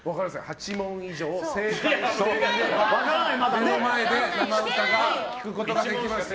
８問以上正解していれば目の前で生歌を聴くことができます。